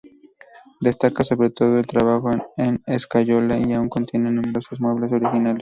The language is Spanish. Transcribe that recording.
Destaca sobre todo el trabajo en escayola y aún contiene numerosas muebles originales.